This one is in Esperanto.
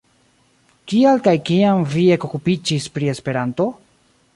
Kial kaj kiam vi ekokupiĝis pri Esperanto?